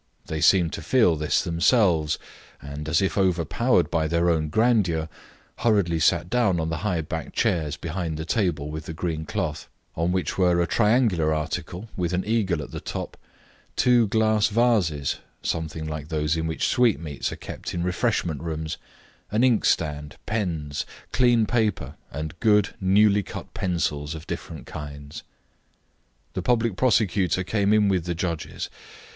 They seemed to feel this themselves, and, as if overpowered by their own grandeur, hurriedly sat down on the high backed chairs behind the table with the green cloth, on which were a triangular article with an eagle at the top, two glass vases something like those in which sweetmeats are kept in refreshment rooms an inkstand, pens, clean paper, and good, newly cut pencils of different kinds. The public prosecutor came in with the judges.